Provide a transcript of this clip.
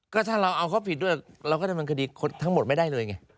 ก็ถ้าเราเอาเขาผิดด้วยเราก็ดำเนินคดีทั้งหมดไม่ได้เลยไง